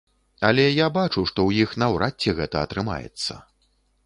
Але я бачу, што ў іх наўрад ці гэта атрымаецца.